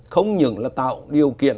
không những là tạo điều kiện